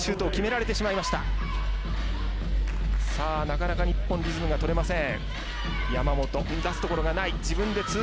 なかなか日本リズムが取れません。